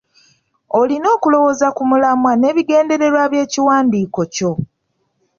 Olina okulowooza ku mulamwa n'ebigendererwa by'ekiwandiiko kyo.